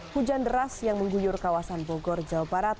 hujan deras yang mengguyur kawasan bogor jawa barat